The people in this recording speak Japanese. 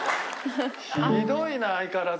ひどいな相変わらず。